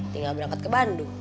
tinggal berangkat ke bandung